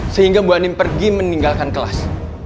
sehingga bu anim pergi meninggalkan kelas